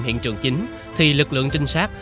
hiện trường chính thì lực lượng trinh sát